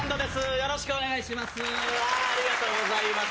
よろしくお願いします。